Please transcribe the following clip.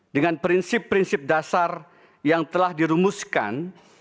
dengan prinsip prinsip dasar yang telah dirumuskan